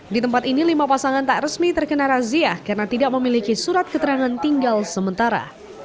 di tempat ini lima pasangan tak resmi terkena razia karena tidak memiliki surat keterangan tinggal sementara